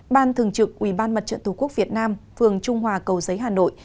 ban thường trực ubndtq việt nam phường trung hòa cầu giấy hà nội